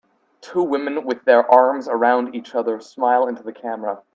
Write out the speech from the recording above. Two women with their arms around each other smile into the camera.